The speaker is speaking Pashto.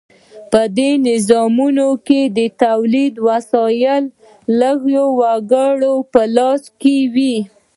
په دې نظامونو کې د تولید وسایل د لږو وګړو په لاس کې وي.